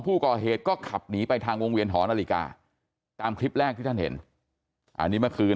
ผู้ก่อเหตุก็ขับหนีไปทางวงเวียนหอนาฬิกาตามคลิปแรกที่ท่านเห็นอันนี้เมื่อคืน